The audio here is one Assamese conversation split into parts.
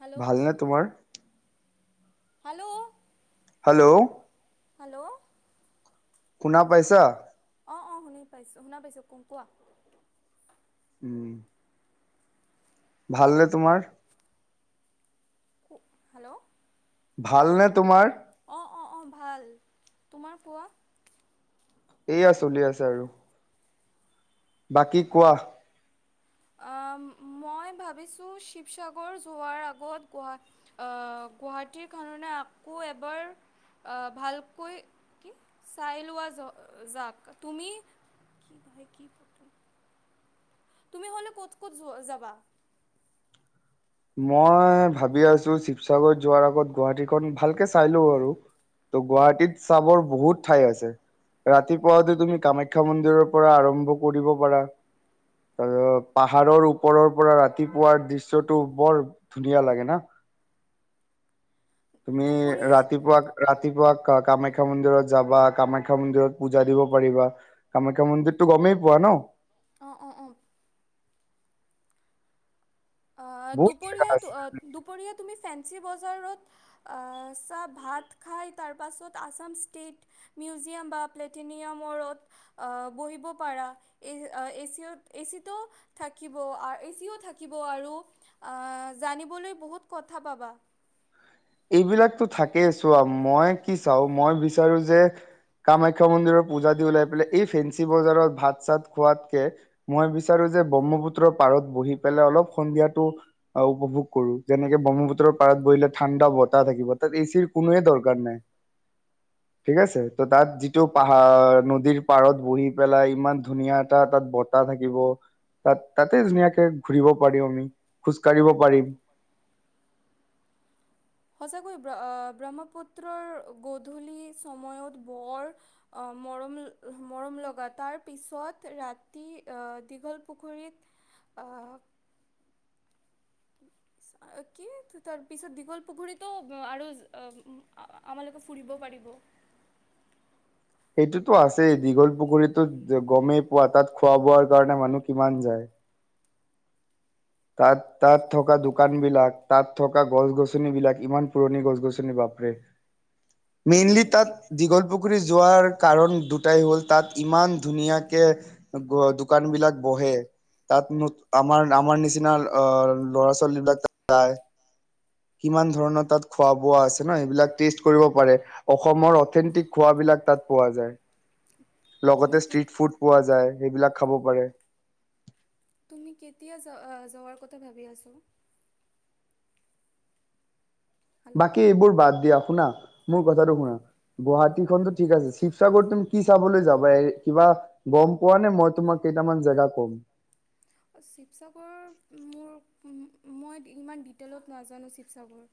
হেল্ল' ভালনে তোমাৰ হেল্ল' হেল্ল' হেল্ল' শুনা পাইছা? অ অ শুনি পাইছো শুনা পাইছো অ কোৱা উম ভালনে তোমাৰ? হেল্ল ভালনে তোমাৰ? অ অ অ ভাল, তোমাৰ কোৱা? এইয়া চলি আছে আৰু। বাকী কোৱা? আ মই ভাবিছো শিৱসাগৰ যোৱাৰ আগত গুৱা আ গুৱাহাটীৰ কাৰনে আকৌ এবাৰ আহ ভালকৈ কি চাই লোৱা য যাক, তুমি কি ভাই কি পতক তুমি হ'লে ক'ত ক'ত য যাবা? মই ভাবি আছো শিৱসাগৰ যোৱাৰ আগত গুৱাহাটীখন ভালকে চাই লওঁ আৰু। ত গুৱাহাটীত চাবৰ বহুত ঠাই আছে। ৰাতিপুৱাতে তুমি কামাখ্যা মন্দিৰৰ পৰা আৰম্ভ কৰিব পাৰা এ পাহাৰৰ ওপৰৰ পৰা ৰাতিপুৱাৰ দৃশ্য টো বৰ ধুনীয়া লাগে ন? তুমি দুপৰীয়াত ৰাতিপুৱা ৰাতিপুৱা কামাখ্যা মন্দিৰত যাবা কামাখ্যা মন্দিৰত পূজা দিব পাৰিবা। কামাখ্যা মন্দিৰতটো গমেই পোৱা ন? অৱ, অৱ', অৱ'। আহ বহুত জেগা আছে দুপৰীয়াত দুপৰীয়া তুমি ফেঞ্চি বজাৰত আহ, চাহ ভাত খায় তাৰপাছত আসাম ষ্টেট মিউজিয়াম বা প্লেটিনিয়ামৰত বহিব পাৰা। এ এচিতো থাকিব এচিও থাকিব থাকিব আৰু জানিবলৈ বহুত কথা পাবা। এইবিলাকতো থাকেই, ছোৱা মই কি চাওঁ মই বিচাৰো যে কামাখ্যা মন্দিৰৰ পূজা দি ওলাই পেলাই এই ফেঞ্চি বজাৰত ভাত চাত খোৱাতকে মই বিচাৰো যে ব্ৰহ্মপুত্ৰৰ পাৰত বহি পেলাই অলপ সন্ধিয়াটো অ' উপভোগ কৰো, যেনেক ব্ৰহ্মপুত্ৰৰ পাৰত বহিলে ঠাণ্ডা বতাহ থাকিব তাত এচিৰ কোনোৱে দৰকাৰ নাই। [unintelligible] ঠিক আছে ত' তাত যিটো পাহাৰ নদীৰ পাৰত বহি পেলাই ইমান ধুনীয়া এটা তাত বত তাহ থাকিব, তাত তাতে ধুনীয়াকে ঘুৰিব পাৰিম আমি খোজ কাঢ়িব পাৰিম। সঁচাকৈয়ে ব্ৰহ্মপুত্ৰৰ গধূলি সময়ত বৰ আহ মৰম, মৰম লগা তাৰ পিছত ৰাতি আহ দীঘল পুখুৰীত আহ উ [unintelligible] কি তাৰপিছত দীঘল পুখুৰীতো আৰু আমালোকে ফুৰিব পাৰিব। সেইটোতো আছেই দীঘল পুখুৰীতো গমেই পোৱা তাত খোৱা বোৱাৰ কাৰণে মানুহ কিমান যায়। তাত তাত থকা দোকান বিলাক, তাত থকা গছ গছনিবিলাক, ইমান পুৰণি গছ গছনি বাপৰে। [unintelligible] মেইনলি তুমি তাত কি দীঘল পুখুৰী যোৱাৰ কাৰণ দু টাই হ'ল তাত ইমান ধুনীয়াকে দোকান বিলাক বহে। তাত ন আমাৰ আমাৰ নিচিনা অ ল'ৰা ছোৱালী বিলাক যায়। কিমান ধৰণৰ তাত খোৱা বোৱা ন, সেইবিলাক টেষ্ট কৰিব পাৰে। অসমৰ অথেণ্টিক খোৱাবিলাক তাত পোৱা যায়। তুমি লগতে কি ষ্ট্ৰিট ফুড পোৱা যায়, সেইবিলাক খাব পাৰে। তুমি কেতিয়া যোৱাৰ কথা ভাবি আছোঁ। হেল্ল' বাকী এইবোৰ বাদ দিয়া শুনা মোৰ কথাটো শুনা। গুৱাহাটীখনতো ঠিক আছে শিৱসাগৰত তুমি কি চাবলৈ যাবা এ কিবা গম পোৱা নে মই তোমাক কেইটামান জেগা ক'ম। শিৱসাগৰ মোৰ মই ইমান ডিটেইলত নাজানো শিৱসাগৰ।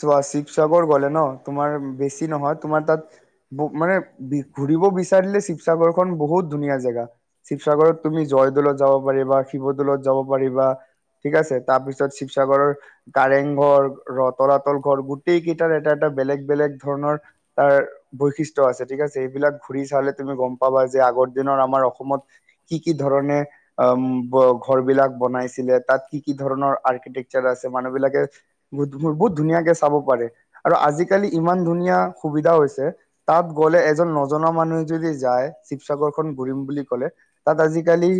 চোৱা শিৱসাগৰ গ'লে ন তোমাৰ বেছি নহয়, তোমাৰ তাত মানে ঘূৰিব বিচাৰিলে শিৱসাগৰখন বহুত ধুনীয়া জেগা। শিৱসাগৰত তুমি জয়দৌলত যাব পাৰিবা শিৱদৌলত যাব পাৰিবা। ঠিক আছে তাৰ পিছত শিৱসাগৰৰ কাৰেংঘৰ ৰদ তলাতল ঘৰ গোটেই কেইটাৰ এটা এটা বেলেগ বেলেগ ধৰণৰ তাৰ বৈশিষ্ট্যৰ আছে ঠিক আছে, এইবিলাক ঘূৰি চালে তুমি গম পাবা যে আগৰ দিনৰ আমাৰ অসমত কি কি ধৰণে ঘৰ বিলাক বনাইছিলে তাত কি কি ধৰণৰ আৰ্কিটেকচাৰ আছে মানুহ বিলাকে বহুত ধুনীয়াকে চাব পাৰে আৰু আজিকালি ইমান ধুনীয়া সুবিধা হৈছে। তাত গ'লে এজন নজনা মানুহে যদি যায় শিৱসাগৰ খন ঘূৰিম বুলি ক'লে তাত আজিকালি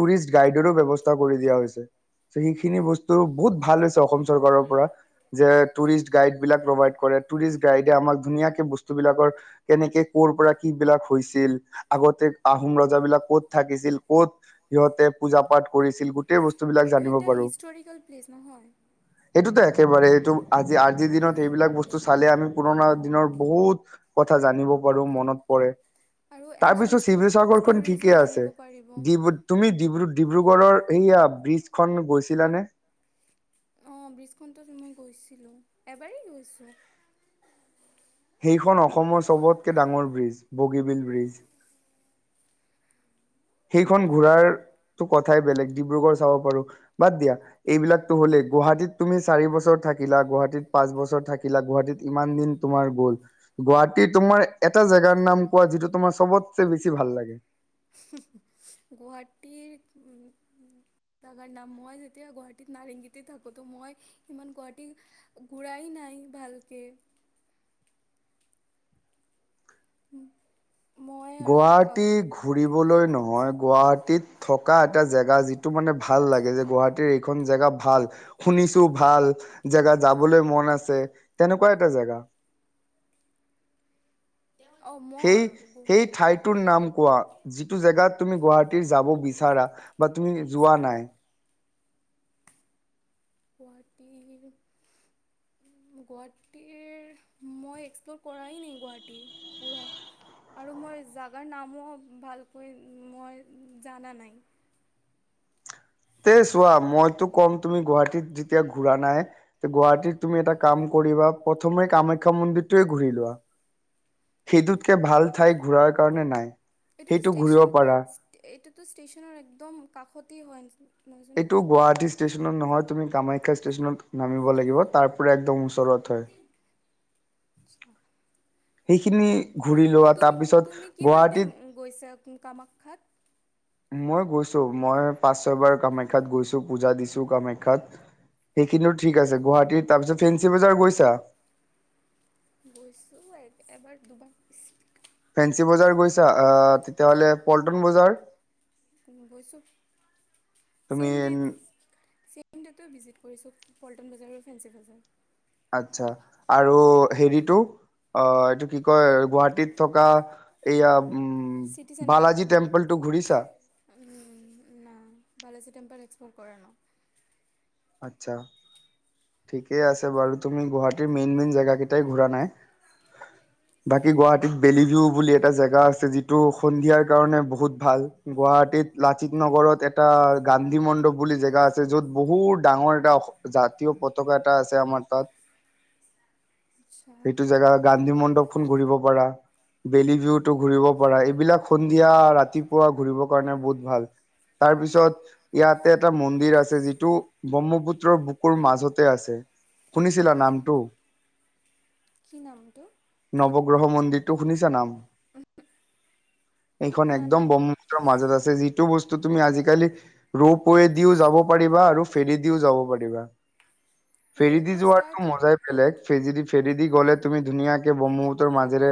টুৰিষ্ট গ্ৰাইডৰো ব্যৱস্থা কৰি দিয়া হৈছে। সেইখিনি বস্তু বহুত ভাল হৈছে। অসম চৰকাৰৰ পৰা যে তুম টুৰিষ্ট গাইড বিলাক প্ৰভাইড কৰে। টুৰিষ্ট গাইডে আমাক ধুনীয়াকে বস্তু বিলাকৰ কেনেকে কৰ পৰা কি বিলাক হৈছিল। আগতে আহোম ৰজাবিলাক কত থাকিছিল। ক'ত সিহঁতে পূজা পাঠ কৰিছিল। গোটেই বস্তু বিলাক এইটো জানিব এটা পাৰো। হিষ্টৰিকেল প্লেচ নহয় এইটোতো একেবাৰে আজি আজিৰ দিনত ইেইবিলাক বস্তু চালে আমি পুৰণা দিনৰ বহুত কথা জানিব পাৰো মনত পৰে। আৰু তাৰ এনচিয়েণ্ট পিছত ষ্ট শিৱসাগৰখন ষ্টৰিজো ঠিকে আছে। জানিব পাৰিব দি তুমি ডিব্ৰু ডিব্ৰুগড়ৰ সেয়া ব্ৰীজখন গৈছিলানে? অ', ব্ৰীজখনণ্ডত মই গৈছিলো। এবাৰেই গৈছো। সেইখন অসমৰ চবতকে ডাঙৰ ব্ৰীজ বগীবিল ব্ৰীজ সেইখন ঘূৰাৰ টো কথাই বেলেগ ডিব্ৰুগড় চাব পাৰো। বাদ দিয়া এইবিলাকতো হ'লেই গুৱাহাটীত তুমি চাৰি বছৰ থাকিলা। গুৱাহাটীত পাঁচ বছৰ থাকিলা। গুৱাহাটীত ইমান দিন তোমাৰ গ'ল গুৱাহাটী তোমাৰ এটা জেগাৰ নাম কোৱা যিটো তোমাৰ চবতে বেছি ভাল লাগে। [unintelligible] গুৱাহাটীৰ [unintelligible] জাগাৰ নাম মই যেতিয়া গুৱাহাটীত নাৰেংগীতে থাকোতো। মই সিমান গুৱাহাটী ঘুৰাই নাই ভালকে মই আৰু গুৱাহাটী ঘূৰিবলৈ নহয় গুৱাহাটীত থকা এটা জেগা যিটো মানে ভাল লাগে যে, গুৱাহাটীৰ এইখন জেগা ভাল শুনিছো ভাল জেগা যাবলৈ মন আছে। তেনেকুৱা এটা জেগা। অঁ সেই মোৰ সেই ঠাইট টোৰ নাম কোৱা যিটো জেগাত তুমি গুৱাহাটীৰ যাব বিচাৰা বা তুমি যোৱা নাই। গুৱাহাটী গুৱাহাটীৰ মই এক্সপ্ল'ৰ কৰাই ন গুৱাহাটী পুৰা আৰু মই জাগাৰ নামো ভালকৈ মই জানা নাই। তে চোৱা মইতো ক'ম তুমি গুৱাহাটীত যেতিয়া ঘুৰা নাই। গুৱাহাটীত তুমি এটা কাম কৰিবা প্ৰথমে কামাখ্যা মন্দিৰটোৱে ঘূৰি লোৱা সেইটোতকে ভাল ঠাই ঘূৰাৰ কাৰণে নাই। এটোতো সেইটো ঘূৰিব ষ্টচন পাৰা এটোতো ষ্টচনৰ একদম কাষতেই হয়। নহয় জানো এইটো গুৱাহাটী ষ্টেচনত নহয়। তুমি কামাখ্যা ষ্টেচনত নামিব লাগিব তাৰ পৰা একদম ওচৰত হয়। [unintelligible] সেইখিনি ঘূৰি লোৱাত তুমি তুমি কিমান টাইম গৈছা কামাখ্যাত মই গৈছো মই পাচ ছয়বাৰ কামাখ্যাত গৈছো। পূজা দিছো কামাখ্যাত সেইখিনিত ঠিক আছে। গুৱাহাটীৰ তাৰ পিছ ফেঞ্চি বজাৰ গৈছা? গৈছো এবাৰ দুবাৰ পিছ ফেঞ্চি বজাৰ গৈছা আহ, তেতিয়াহ'লে পল্টন বজাৰ? গৈছো তুমি চেন [unintelligible] [unintelligible] ভিজিট কৰিছো। পল্টন বজাৰ আৰু ফেন্ঞ্চি বজাৰ। আচ্ছা আৰু হেৰিটো অ', এটো কি কয়। গুৱাহাটীত থকা এইয়া উম, বালাজী টেম্পল টো ঘুৰিছা। নাই। বালাজী টেম্পল এক্সপ্ল'ৰ কৰা ন আচ্ছা, ঠিকে আছে বাৰু তুমি গুৱাহাটীৰ মেইন মেইন জেগা কেইটাই ঘূৰা নাই। [inaudible] বাকী গুৱাহাটীত বেলিলিও বুলি এটা জেগা আছে যিটো সন্ধিয়াৰ কাৰণে বহুত ভাল। গুৱাহাটীত লাচিত নগৰত এটা গান্ধী মণ্ডপ বুলি জেগা আছে যত বহুত ডাঙৰ এটা জাতীয় পতাকা এটা আছে আমাৰ তাত আচ্ছা সেইটো জেগা গান্ধী মণ্ডপখনো ঘূৰিব পাৰা বেলি ভউতো ঘূৰিব পৰা এইবিলাক সন্ধিয়া ৰাতিপুৱা ঘূৰিবৰ কাৰণে বহুত ভাল। তাৰপিছত ইয়াতে এটা মন্দিৰ আছে ব্ৰহ্মপুত্ৰৰ বুকুৰ মাজত তে আছে শুনিছিলা নামটো কি নামটো? নৱগ্ৰহ মন্দিৰটো শুনিছা নাম এইখন শুনা নাই একদম ব্ম মাজত আছে যিটো বস্তু তুমি আজিকালি ৰোপ ৱে দিও যাব পাৰিবা আৰু ফেৰী দিও যাব পাৰিবা। ফেৰিদি ৰ'পৱে ষ্টাৰ্ট যোৱাৰতো মজাই বেলেগ ফেজদি ফেৰিদি গ'লে তুমি ধুনীয়াকে ব্ৰহ্মপুতৰ মাজেৰে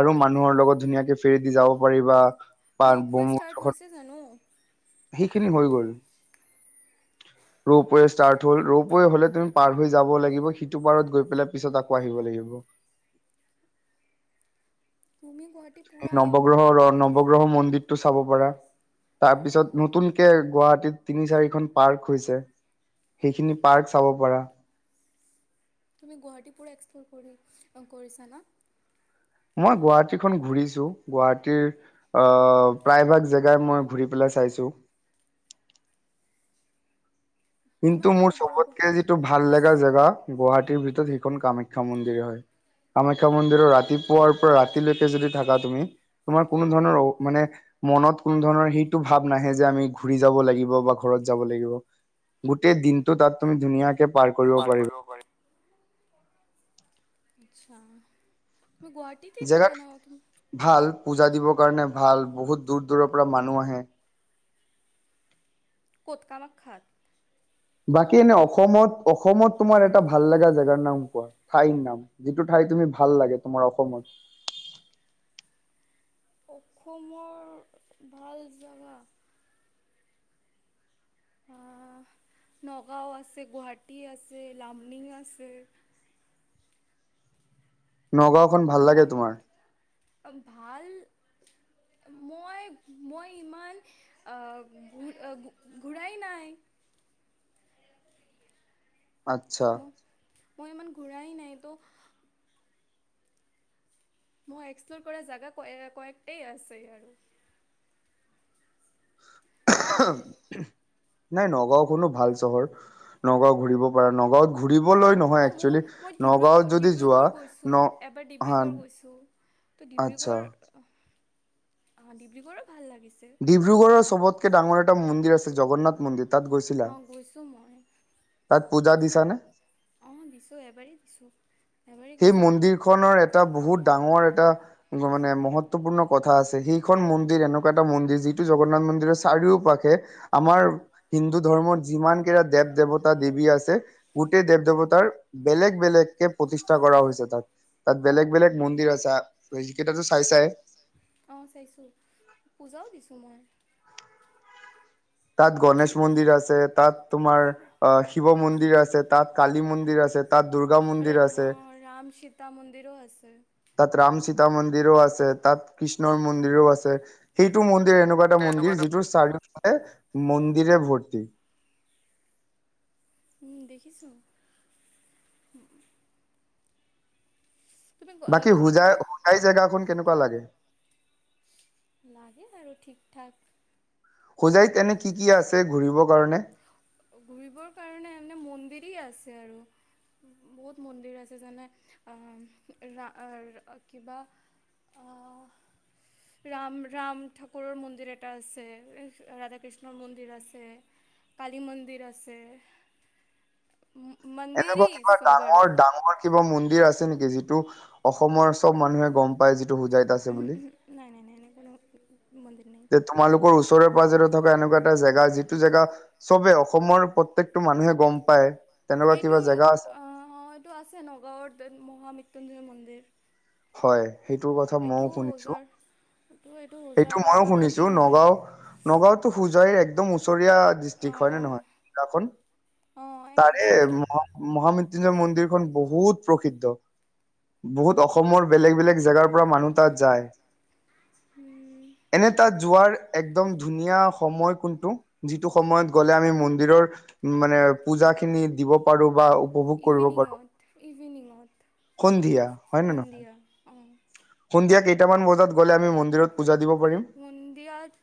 আৰু মানুহৰ লগত ধুনীয়াকে ফেৰি দি যাব পাৰিবা। পাৰ ৰোপৱে' ষ্টাৰ্ট ব্ৰহ্মপুত্ৰখন হৈছে জানো। সেইখিনি হৈ গল ৰৌপ ষ্টাৰ্ট হ'ল ৰৌপে হ'লে তুমি পাৰ হৈ যাব লাগিব সিটো পাৰত গৈ পেলাই পিছত আকৌ আহিব লাগিব। তুমি গুৱাহাটীত পুৰা উপৱগ্ৰহ মন্দিৰতটো চাব পাৰা। তাৰ পিছত নতুনকে গুৱাহাটীত তিনি চাৰিখন পাৰ্ক হৈছে। সেইখিনি পাৰ্ক চাব পাৰা। তুমি গুৱাহাটী পুৰা এক্সপ্ল'ৰ কৰি কৰিছা ন। মই গুৱাহাটীখন ঘুৰিছো গুৱাহাটীৰ অ প্ৰায়ভাগ জেগাই মই ঘুৰি পেলাই চাইছো। কিন্তু কিমান মোৰ দিনৰ পৰা চবতকে যিটো ভাল লগা জেগা গুৱাহাটীৰ ভিতৰত সেইখন কামাখ্যা মন্দিৰ হয়। কামাখ্যা মন্দিৰৰ ৰাতিপুৱাৰ পৰা ৰাতিলৈকে যদি থাকা তুমি তোমাৰ কোনো ধৰণৰ অ মানে মনত কোনো ধৰণৰ সেইটো ভাব নাহে যে আমি ঘূৰি যাব লাগিব বা ঘৰত যাব লাগিব। গোটেই দিনতটো তাত তুমি ধুনীয়াকে পাৰ কৰিব পাৰিবা। আচ্ছা মই গুৱাহাটী জেগা ভাল পূজা দিবৰ কাৰণে ভাল বহুত দূৰ দূৰৰ পৰা মানুহ আহে। ক'ত কামাখ্যাত বাকী এনে অসমত অসমত তোমাৰ এটা ভাল লগা জেগাৰ নাম কোৱা ঠাইৰ নাম। যিটো ঠাই তুমি ভাল লাগে তোমাৰ অসমত। অসমৰ ভাল জেগা আহ, নগাঁও আছে, গুৱাহাটী আছে, লামডিং আছে। নগাঁওখন ভাল লাগে মই তোমাৰ। ভাল, মই, মই ইমান অ, অ ঘূৰাই নাই। আচ্ছা। মই ইমান ঘূৰাই নাই তো মই এক্সপ্ল'ৰ কৰা জেগা কয়ক্টেই আছে আৰু। [unintelligible] নাই নগাঁও খনো ভাল চহৰ, নগাঁও ঘূৰিব পাৰা নগাঁওত ঘূৰিবলৈ ন অঁ মোৰ, মই ডিব্ৰু ডিব্ৰুগড় ন গৈছোঁ, এবাৰ হা ডিব্ৰুগড় গৈছোঁ। ত' আচ্ছা ডিব্ৰুগড় অহ, ডিব্ৰুগড়ো ভাল লাগিছে। ডিব্ৰুগড়ৰ চবতকে ডাঙৰ এটা মন্দিৰ আছে, জগন্নাথ মন্দিৰ। তাত গৈছিলা? অঁ গৈছোঁ মই তাত পূজা দিছানে? অঁ দিছোঁ, এবাৰেই দিছোঁ। এবাৰেই সেই গৈছোঁ মন্দিৰ খনৰ এটা বহুত ডাঙৰ এটা এনেকোৱা মানে মহত্বপূৰ্ণ কথা আছে। সেইখন মন্দিৰ, এনেকুৱা এটা মন্দিৰ, যিটো জগন্নাথ মন্দিৰৰ চাৰিও পাশে আমাৰ হিন্দু ধৰ্মত, যিমান কেইটা দেৱ - দেৱতা, দেৱী আছে গোটেই দেৱ দেৱতাৰ বেলেগ বেলেগ কে প্ৰতি ষ্ঠা কৰা হৈছে তাত, তাত বেলেগ বেলেগ মন্দিৰ আছে, সেইকেইটাটো চাইছাই অঁ চাইছোঁ, পূজাও দিছোঁ মই। তাত গণেশ মন্দিৰ আছে, তাত তোমাৰ অ' শিৱ মন্দিৰ আছে, তাত কালী মন্দিৰ আছে তাত দুৰ্গা আৰ মন্দিৰ অঁ, আছে ৰাম, ৰাম সীতা মন্দিৰো আছে। তাত ৰাম সীতা মন্দিৰও আছে, তাত কৃষ্ণৰ মন্দিৰো আছে, সেইটো মন্দিৰ এনোক কোৱা ‌এটা মন্দিৰ, যিটোৰ চাৰিওফালে মন্দিৰে ভৰ্তি। উম, দেখিছোঁ। হু। [unintelligible] বাকী তুমি হোজাই, ডিব্ৰুগড় হোজাই জেগাখন কেনেকুৱা লাগে? লাগে আৰু ঠিক ঠাক। হোজাইত এনেই কি কি আছে ঘূৰিব কাৰণে? ঘূৰিবৰ কাৰণে মানে মন্দিৰেই আছে আৰু। বহুত মন্দিৰ আছে যেনে, আ' ৰা আ কিবা অঁহ। ৰাম, ৰাম ঠাকুৰৰ মন্দিৰ এটা আছে, ৰাধাকৃষ্ণৰ মন্দিৰ আছে। লি মন্দিৰ আছে, মন্দিৰি এনেকুৱা কিবা চ'ব আৰু। ডাঙৰ ডাঙৰ কিবা মন্দিৰ আছে নেকি যিটো, যিটো অসমৰ চ'ব মানুহে গ'ম পায় যিটো হোজাইত আছে বুলি? নাই নাই নাই, এনে কোনো মন্দিৰ নাই। যে তোমালোকৰ ওচৰে পাজৰে থকা এনেকুৱা এটা জেগা, যিটো জেগা চ'বে অসমৰ প্ৰত্যেকটো মানুহে গ'ম পায় তেনেকুৱা এইটো, কিবা জেগা আছে আঁ এইটো আছে, নগাঁৱৰ মহামৃত্যুঞ্জয় মন্দিৰ। হয়। সেইটোৰ কথা মইও এইটোও শুনিছো, ওজাৰ এইটো এইটো সেইটো ওজাৰৰ ময়ো শুনিছো কাষতি হয় নগাঁও নগাঁওটো হোজাইৰ একদম ও ওচৰীয়া ডিষ্ট্ৰিক্ট অঁ হয়নে অঁ নহয়, অঁ তাৰে একদম এক মহামৃত্যুঞ্জয় মন্দিৰখন বহুত প্ৰসিদ্ধ, বহুত অস অসমৰ বেলেগ বেলেগ জেগাৰ পৰা মানুহ তাত যায়। উম। এনে তাত যোৱাৰ একদম ধুনীয়া সময় কোনটো? যিটো সময়ত গ'লে আমি মন্দিৰৰ, মানে পূজা খিনি দিব পাৰো বা উপভোগ কৰিব পাৰো। ইভিনিঙত ইভিনিঙত, সন্ধিয়া ইভ হয় নে নহয়? সন্ধিয়া অঁ সন্ধিয়া কেইটামান বজাত গ'লে আমি মন্দিৰত পূজা দিব পাৰিম? সন্ধিয়াত